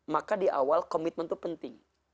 maka di awal komitmen itu penting